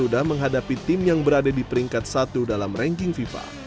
garuda menghadapi tim yang berada di peringkat satu dalam ranking fifa